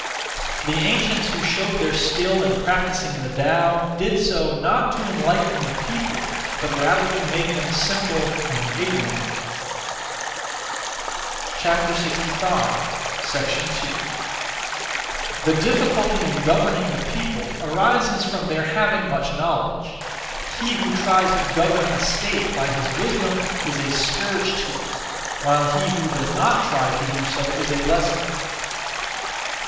The ancients who showed their skill in practising the Tao did so, not to enlighten the people, but rather to make them simple and ignorant. 2. The difficulty in governing the people arises from their having much knowledge. He who (tries to) govern a state by his wisdom is a scourge to it; while he who does not (try to) do so is a blessing.